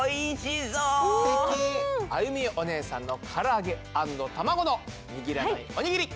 あゆみおねえさんのからあげ＆卵のにぎらないおにぎり！